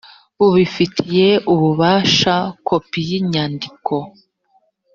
bubifitiye ububasha kopi y inyandiko